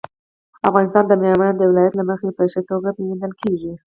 افغانستان د بامیان د ولایت له مخې په ښه توګه پېژندل کېږي.